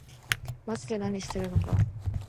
まぢで何してるのか